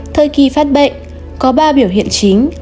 thời kỳ phát bệnh có ba biểu hiện chính